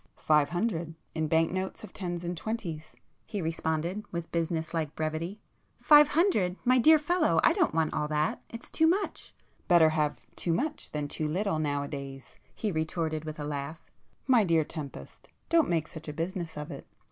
"Five hundred, in bank notes of tens and twenties,"—he responded with business like brevity. "Five hundred! My dear fellow, I don't want all that. It's too much!" "Better have too much than too little nowadays,"—he retorted with a laugh—"My dear Tempest, don't make such a business of it.